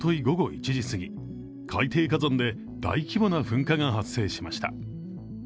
午後１時過ぎ、海底火山で大規模な噴火が発生しました。